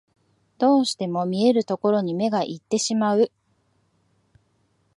どうしても見えるところに目がいってしまう